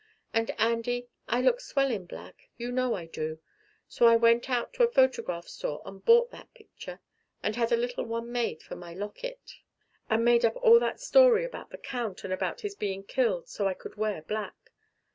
And, Andy, I look swell in black you know I do. So I went out to a photograph store and bought that picture, and had a little one made for my locket, and made up all that story about the Count and about his being killed, so I could wear black.